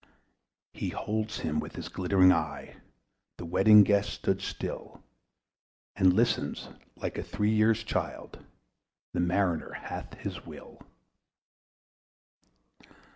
He holds him with his glittering eye The Wedding Guest stood still, And listens like a three years child: The Mariner hath his will.